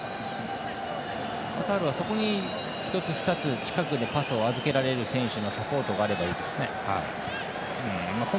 カタールはそこに１つ、２つ近くでパスを預けられる選手のサポートがあればいいですね。